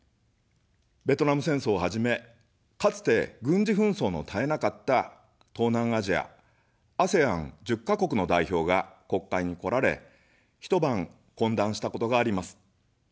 ベトナム戦争をはじめ、かつて、軍事紛争の絶えなかった東南アジアＡＳＥＡＮ１０か国の代表が国会に来られ、一晩懇談したことがあります。